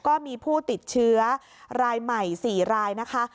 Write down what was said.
ก็มีผู้ติดเชื้อรายใหม่๔รายนะคะ